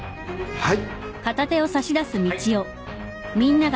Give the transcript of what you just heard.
はい。